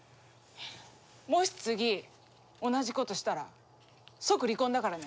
もし次同じことしたら即離婚だからね。